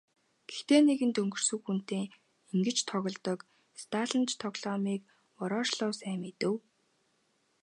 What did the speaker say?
Гэхдээ нэгэнт өнгөрсөн хүнтэй ингэж тоглодог сталинч тоглоомыг Ворошилов сайн мэднэ.